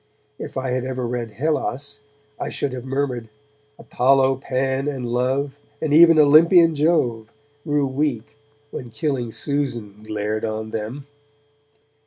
If I had ever read 'Hellas' I should have murmured Apollo, Pan and Love, And even Olympian Jove, Grew weak, when killing Susan glared on them.